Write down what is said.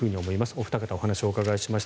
お二方、お話を伺いました。